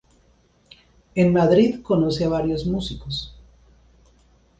En Madrid conoce a varios músicos.